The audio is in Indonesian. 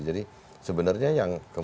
jadi sebenarnya yang kemudian